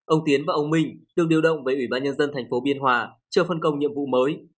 ông tiến và ông minh được điều động với ủy ban nhân dân tp hcm cho phân công nhiệm vụ mới